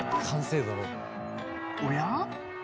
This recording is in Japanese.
おや？